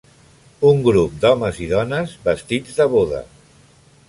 Un grup d'homes i dones vestits de boda.